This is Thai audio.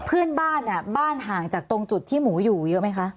เพื่อนบ้านบ้านห่างจากตรงจุดที่หมูอยู่เยอะไหมคะ